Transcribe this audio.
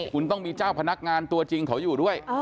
คุณต้องมีเจ้าพนักงานตัวจริงเขาอยู่ด้วย